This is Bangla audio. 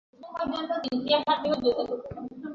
আমি আমার ভাইকে ছাড়া যাবো না।